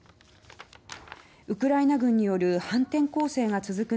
ウクライナ軍による反転攻勢が続く